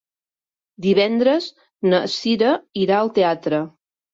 Divendres na Cira irà al teatre.